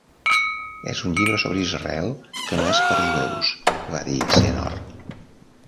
"És un llibre sobre Israel que no és per jueus," va dir Senor.